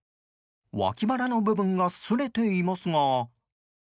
脇腹の部分がすれていますが。